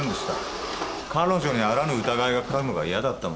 彼女にあらぬ疑いがかかるのが嫌だったもんですから。